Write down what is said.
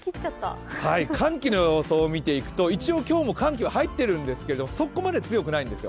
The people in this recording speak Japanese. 寒気の様子を見ていくと今日も寒気は入ってるんですがそこまで強くないんですよ。